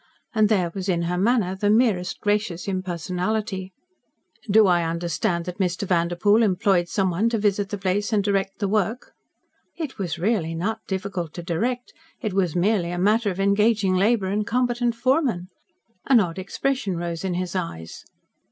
And there was in her manner the merest gracious impersonality. "Do I understand that Mr. Vanderpoel employed someone to visit the place and direct the work?" "It was really not difficult to direct. It was merely a matter of engaging labour and competent foremen." An odd expression rose in his eyes.